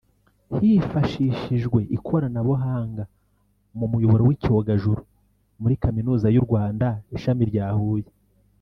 Hifashishijwe ikoranabuhanga mu muyoboro w’icyogajuru muri Kaminuza y’u Rwanda ishami rya Huye